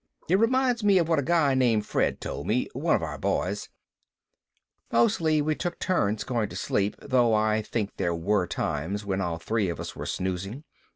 It reminds me of what a guy named Fred told me, one of our boys ..." Mostly we took turns going to sleep, though I think there were times when all three of us were snoozing.